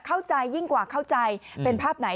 ยิ่งกว่าเข้าใจเป็นภาพไหน